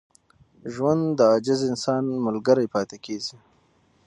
ژوند د عاجز انسان ملګری پاتې کېږي.